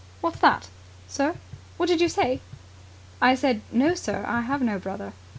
"What's that?" "Sir?" "What did you say?" "I said, 'No, sir, I have no brother'."